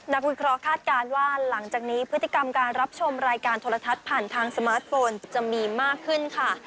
นักวิเคราะห์คาดการณ์ว่าหลังจากนี้พฤติกรรมการรับชมรายการโทรทัศน์ผ่านทางสมาร์ทโฟนจะมีมากขึ้นค่ะ